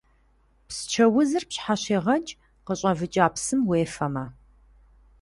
Псчэ узыр пщхьэщегъэкӏ къыщӏэвыкӏа псым уефэмэ.